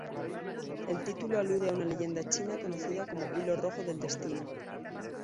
El título alude a una leyenda china conocida como hilo rojo del destino.